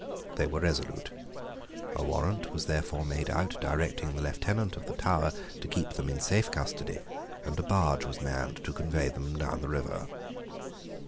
They were resolute. A warrant was therefore made out directing the Lieutenant of the Tower to keep them in safe custody, and a barge was manned to convey them down the river.